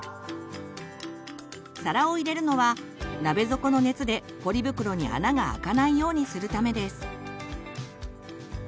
皿を入れるのは鍋底の熱でポリ袋に穴が開かないようにするためです。